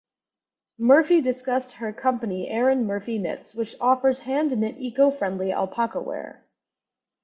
Murphy discussed her company Erin Murphy Knits which offers hand knit eco-friendly alpaca wear.